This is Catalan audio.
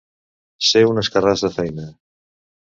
Ser un escarràs de feina.